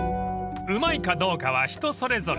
［うまいかどうかは人それぞれ］